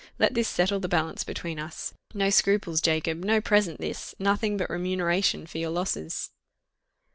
Let this settle the balance between us. No scruples, Jacob no present, this nothing but remuneration for your losses."